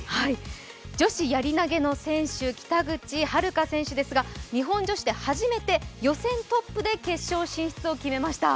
女子やり投の選手、北口榛花選手ですが日本女子で初めて予選トップで決勝進出を決めました。